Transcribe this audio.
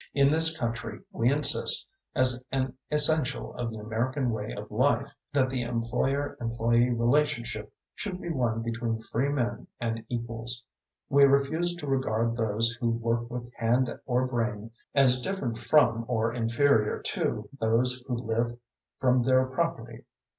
In this country we insist, as an essential of the American way of life, that the employer employee relationship should be one between free men and equals. We refuse to regard those who work with hand or brain as different from or inferior to those who live from their property.